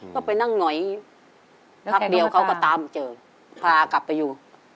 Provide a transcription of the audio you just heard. ก็ไปนั่งหงอยพักเดียวเขาก็ตามเจอพากลับไปอยู่